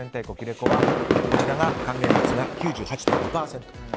子はこちらが還元率が９８．２％